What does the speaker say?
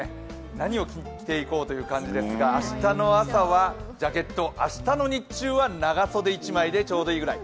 何を着ていこうという感じですが、明日の朝はジャケット明日の日中は長袖１枚でちょうどいいぐらい。